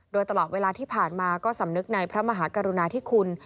โดยตลอดเวลาที่ผ่านมาก็สำนึกในพระมหากรุณาธิคุณ